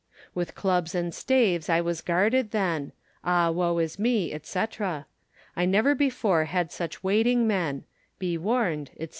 With clubs and staves I was garded then; Ah woe is me, &c. I never before had such waiting men; Be warned, &c.